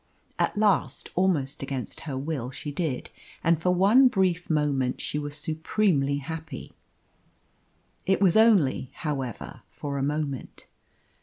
At last, almost against her will, she did, and for one brief moment she was supremely happy. It was only, however, for a moment.